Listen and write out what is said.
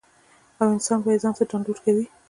او انسان به ئې ځان ته ډاونلوډ کوي -